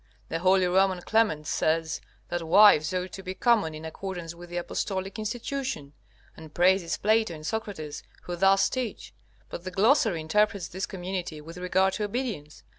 The holy Roman Clement says that wives ought to be common in accordance with the apostolic institution, and praises Plato and Socrates, who thus teach, but the Glossary interprets this community with regard to obedience.